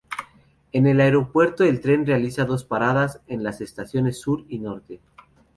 En el aeropuerto el tren realiza dos paradas, en las estaciones sur y norte.